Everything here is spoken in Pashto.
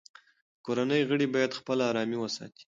د کورنۍ غړي باید خپله ارامي وساتي.